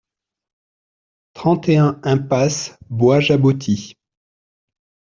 trente et un impasse Bois Jaboti